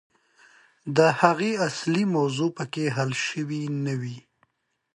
د هغې اصلي موضوع پکښې حل سوې نه وي.